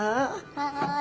はい。